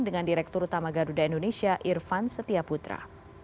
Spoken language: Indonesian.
dengan direktur utama garuda indonesia irvan setiaputra